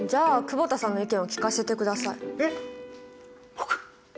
僕？